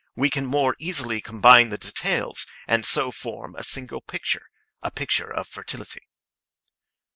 We can more easily combine the details, and so form a single picture a picture of fertility.